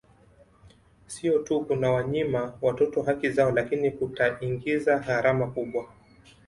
Sio tu kunawanyima watoto haki zao lakini kutaingiza gharama kubwa